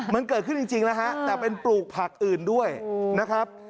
มันเกิดขึ้นจริงแล้วฮะแต่เป็นปลูกผักอื่นด้วยนะครับ